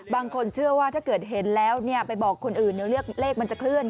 บางคนเชื่อว่าถ้าเกิดเห็นแล้วไปบอกคนอื่นเดี๋ยวเลขมันจะเคลื่อน